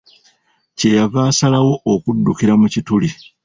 Kye yava asalawo okuddukira mu kituli.